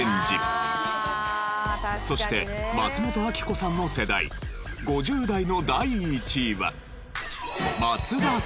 そして松本明子さんの世代５０代の第１位は。